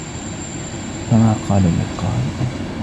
فَمَا قَالَ لَك ؟ قَالَ